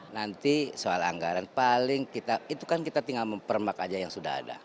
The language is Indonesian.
nanti soal anggaran itu kan kita tinggal mempermak saja yang sudah ada